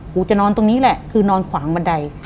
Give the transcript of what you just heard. กูจะนอนตรงนี้แหละคือนอนขวางบันได